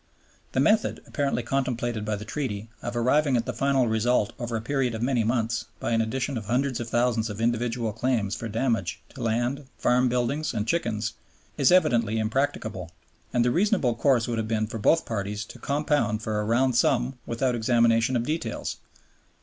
The method, apparently contemplated by the Treaty, of arriving at the final result over a period of many months by an addition of hundreds of thousands of individual claims for damage to land, farm buildings, and chickens, is evidently impracticable; and the reasonable course would have been for both parties to compound for a round sum without examination of details.